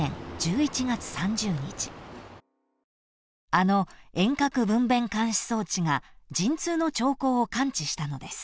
［あの遠隔分娩監視装置が陣痛の兆候を感知したのです］